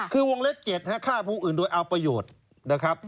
คือวงเล็บ๗ฆ่าผู้อื่นโดยเอาประโยชน์นะครับ